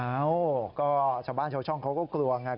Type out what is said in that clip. เอ้าก็ชาวบ้านชาวช่องเขาก็กลัวไง